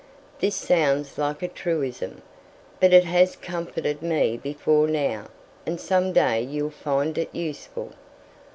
This sounds like a truism, but it has comforted me before now, and some day you'll find it useful.